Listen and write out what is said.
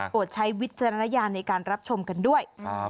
โฆษ์ใช้วิจารณายาในรับชมกันด้วย